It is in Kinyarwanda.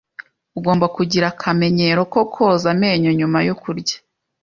Ugomba kugira akamenyero ko koza amenyo nyuma yo kurya.